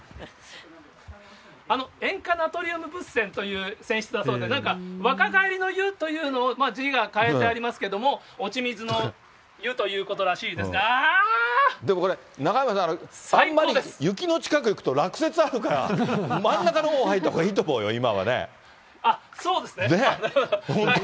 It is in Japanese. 塩化ナトリウムぶっせんという泉質だそうで、なんか若返りの湯というのを、字が書いてありますけれども、おちみずの湯ということらしいですでもこれ、中山さん、あんまり雪の近く行くと落雪あるから、真ん中のほう入ったほうがそうですね。